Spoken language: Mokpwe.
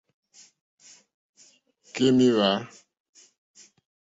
Kémà hwǎ.